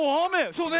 そうね。